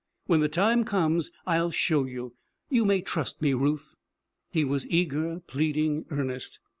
When the time comes I'll show you. You may trust me, Ruth.' He was eager, pleading, earnest.